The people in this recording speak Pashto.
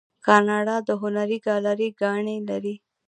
کاناډا د هنر ګالري ګانې لري.